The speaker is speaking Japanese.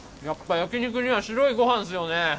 やっぱ焼き肉には白いご飯ですよね。